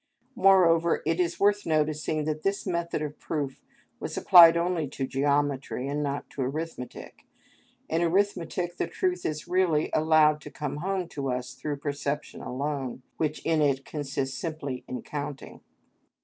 Moreover, it is worth noticing that this method of proof was applied only to geometry and not to arithmetic. In arithmetic the truth is really allowed to come home to us through perception alone, which in it consists simply in counting.